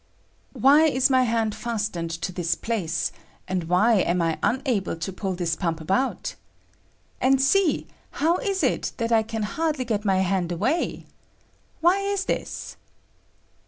Why is my hand fastened to this place, and why am I able to pull this pump about? And seel how is it that I can hardly get my hand away? Why is this?